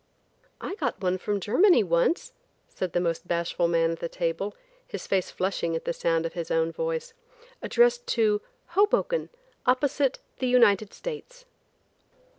'" "I got one from Germany once," said the most bashful man at the table, his face flushing at the sound of his own voice, "addressed to, 'HOBOKEN, OPPOSITE THE UNITED STATES.'"